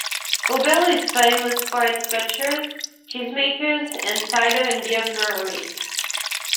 Aubel is famous for its butchers, cheesemakers, and cider and beer breweries.